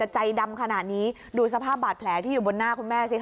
ใจดำขนาดนี้ดูสภาพบาดแผลที่อยู่บนหน้าคุณแม่สิค่ะ